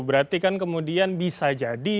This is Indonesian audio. berarti kan kemudian bisa jadi